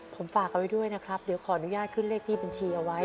ผมฝากเอาไว้ด้วยนะครับเดี๋ยวขออนุญาตขึ้นเลขที่บัญชีเอาไว้